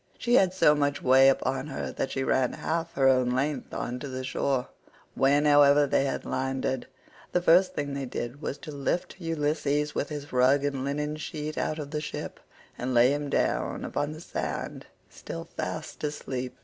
114 She had so much way upon her that she ran half her own length on to the shore;115 when, however, they had landed, the first thing they did was to lift Ulysses with his rug and linen sheet out of the ship, and lay him down upon the sand still fast asleep.